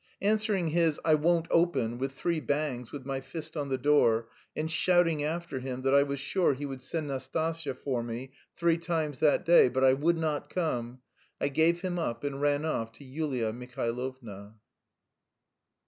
Answering his "I won't open" with three bangs with my fist on the door, and shouting after him that I was sure he would send Nastasya for me three times that day, but I would not come, I gave him up and ran off to Yulia Mihailovna.